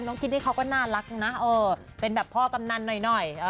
น้องคิดนี่เขาก็น่ารักนะเป็นแบบพ่อตอนนั้นหน่อย